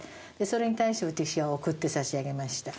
それに対して私は送ってさしあげました。